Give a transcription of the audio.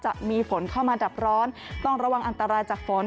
จะมีฝนเข้ามาดับร้อนต้องระวังอันตรายจากฝน